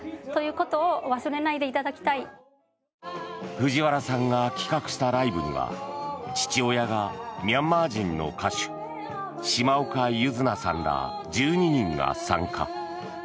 藤原さんが企画したライブには父親がミャンマー人の歌手島岡ゆずなさんら１２人が参加。